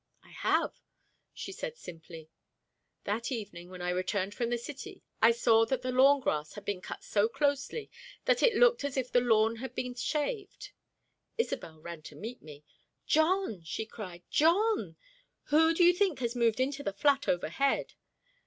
"I have," she said simply. That evening when I returned from the city I saw that the lawn grass had been cut so closely that it looked as if the lawn had been shaved. Isobel ran to meet me. "John!" she cried; "John! Who do you think has moved into the flat overhead?"